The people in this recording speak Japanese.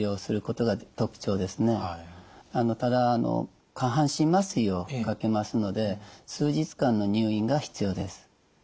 ただ下半身麻酔をかけますので数日間の入院が必要です。